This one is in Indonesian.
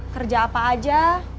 kerja apa aja